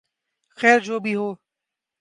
خیر جو بھی ہو